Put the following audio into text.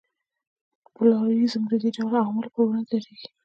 پلورالېزم د دې ډول اعلو پر وړاندې درېږي.